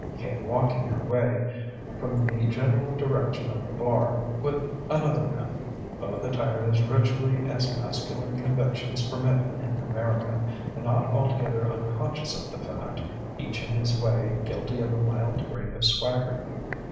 He came walking her way from the general direction of the bar, with another man both attired as richly as masculine conventions permit in America, and not altogether unconscious of the fact, each in his way guilty of a mild degree of swagger.